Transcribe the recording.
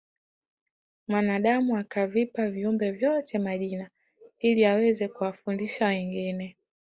mwanadamu akavipa viumbe vyote majina ili aweze kuwafundisha wengine